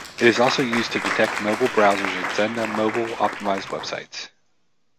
It is also used to detect mobile browsers and send them mobile-optimized websites.